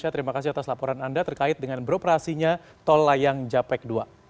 terima kasih atas laporan anda terkait dengan beroperasinya tol layang japek dua